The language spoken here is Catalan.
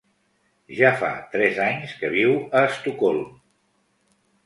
Ja fa tres anys que viu a Estocolm.